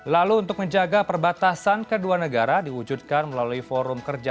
lalu untuk menjaga perbatasan kedua negara diwujudkan melalui forum kerja